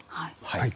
はい。